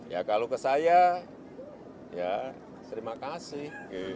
ya kalau ke saya ya terima kasih